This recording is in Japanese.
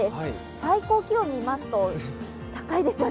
最高気温を見ますと、高いですよね